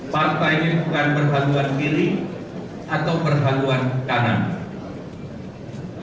partai ini bukan berhaluan kiri atau berhaluan kanan